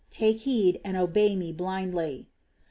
Take heed, and obey me blindly."